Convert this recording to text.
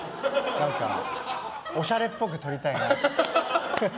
何かおしゃれっぽく撮りたいなって。